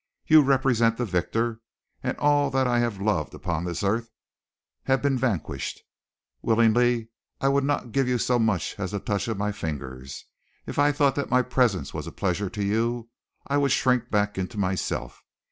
You represent the victor, and all that I have loved upon this earth have been the vanquished. Willingly I would not give you so much as the touch of my fingers. If I thought that my presence was a pleasure to you, I would shrink back into myself.